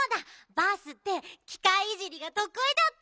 バースってきかいいじりがとくいだった。